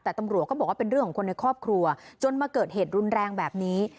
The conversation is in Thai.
แต่ตำรวจก็บอกว่าเป็นเรื่องของคนในครอบครัวจนมาเกิดเหตุรุนแรงแบบนี้